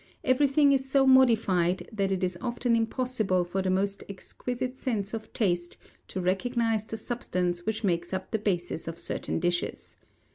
everything is so modified, that it is often impossible for the most exquisite sense of taste to recognise the substance which makes up the basis of certain dishes.